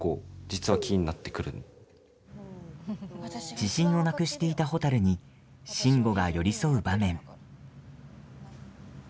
自信をなくしていたほたるに慎吾が寄り添う場面。